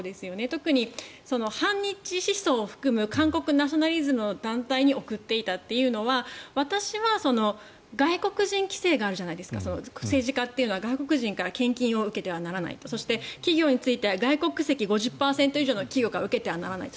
特に反日思想を含む韓国ナショナリズムの団体に送っていたというのは私は外国人規制があるじゃないですか政治家というのは外国人から献金を受けてはならないとそして、企業については外国籍５０％以上の企業から受けてはならない。